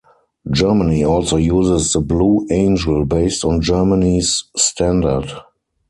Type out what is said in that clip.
Germany also uses the Blue Angel, based on Germany's standard.